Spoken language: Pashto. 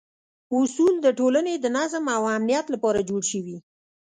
اصول د ټولنې د نظم او امنیت لپاره جوړ شوي.